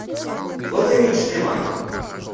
Слово имеет Шри-Ланка.